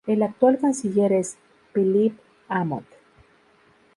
El actual canciller es Philip Hammond.